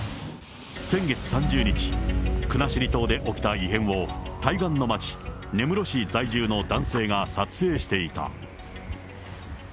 先月３０日、国後島で起きた異変を対岸の町、根室市在住の男性が撮影していた。